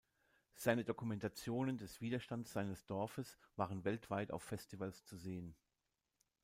Seine Dokumentationen des Widerstandes seines Dorfes waren weltweit auf Festivals zu sehen.